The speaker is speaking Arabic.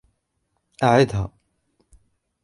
أعدها!